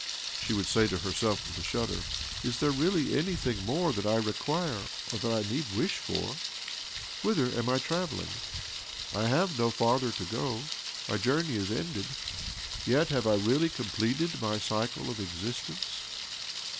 " she would say to herself with a shudder. "Is there really anything more that I require, or that I need wish for ? Whither am I travelling ? I have no farther to go— my journey is ended. Yet have I really completed my cycle of exist ence